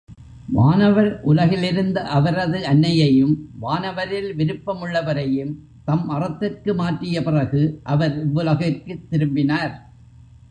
வானவர் உலகிலிருந்த அவரது அன்னையையும் வானவரில் விருப்பமுள்ளவரையும் தம் அறத்திற்கு மாற்றிய பிறகு அவர் இவ்வுலகிற்குத் திரும்பினார்.